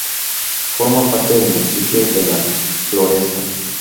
Forma parte del municipio de La Floresta.